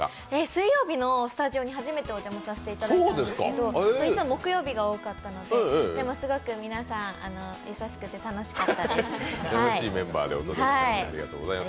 水曜日のスタジオに初めてお邪魔させていただいたんですけれども、いつも木曜日が多かったので、でも皆さんすごく優しくて楽しかったです。